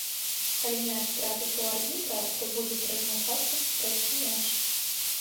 Калі мяч трапіць у арбітра, то будзе прызначацца спрэчны мяч.